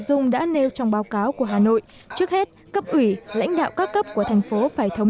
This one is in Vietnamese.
nội dung đã nêu trong báo cáo của hà nội trước hết cấp ủy lãnh đạo các cấp của thành phố phải thống